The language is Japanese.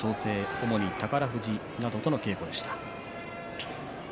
主に宝富士などとの稽古でした。